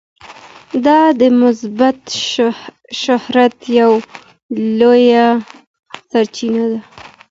دا د مثبت شهرت یوه لویه سرچینه ده.